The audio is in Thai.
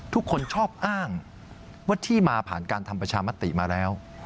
ทุกคนชอบอ้างว่าที่มาผ่านการทำประชามติมาแล้ว